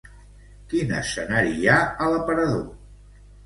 Quin escenari hi ha a l'aparador?